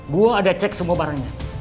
gue ada cek semua barangnya